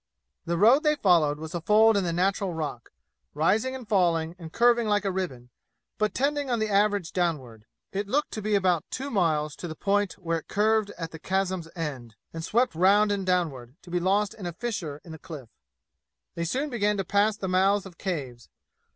The road they followed was a fold in the natural rock, rising and falling and curving like a ribbon, but tending on the average downward. It looked to be about two miles to the point where it curved at the chasm's end and swept round and downward, to be lost in a fissure in the cliff. They soon began to pass the mouths of caves.